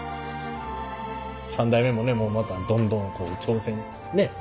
３代目もねまたどんどんこう挑戦ねっ？